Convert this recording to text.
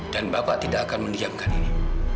dan bapak tidak akan mendiamkan ini